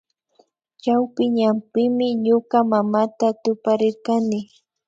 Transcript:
Chawpi ñanpimi ñuka mamata tuparirkani